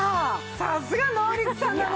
さすがノーリツさんだね。